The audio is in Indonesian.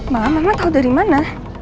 mama mama tahu dari mana